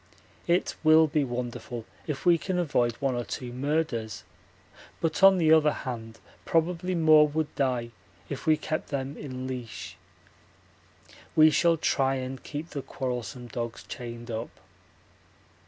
It will be wonderful if we can avoid one or two murders, but on the other hand probably more would die if we kept them in leash. We shall try and keep the quarrelsome dogs chained up.